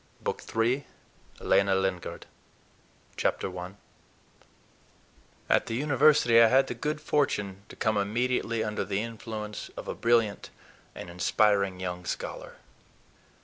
BOOK III—LENA LINGARD I AT the University I had the good fortune to come immediately under the influence of a brilliant and inspiring young scholar.